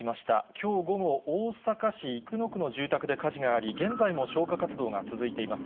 きょう午後、大阪市生野区の住宅で火事があり、現在も消火活動が続いています。